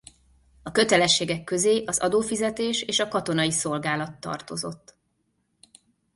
A kötelességek közé az adófizetés és a katonai szolgálat tartozott.